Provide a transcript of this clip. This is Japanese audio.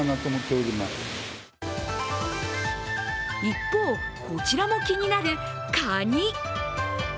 一方、こちらも気になるカニ。